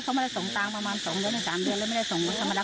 เขาได้ส่งตังค์ประมาณ๒๓เดียวแล้วไม่ได้ส่งวิวธรรมดา